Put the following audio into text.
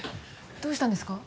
どうしたんですか？